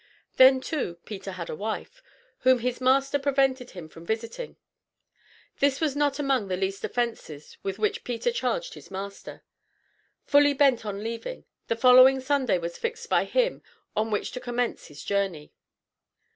Then, too, Peter had a wife, whom his master prevented him from visiting; this was not among the least offences with which Pete charged his master. Fully bent on leaving, the following Sunday was fixed by him on which to commence his journey.